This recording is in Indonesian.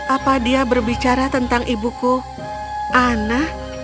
apa dia berbicara tentang ibuku ana